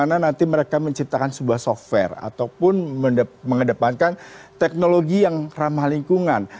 bagaimana nanti mereka menciptakan sebuah software ataupun mengedepankan teknologi yang ramah lingkungan